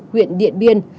huyện điện biên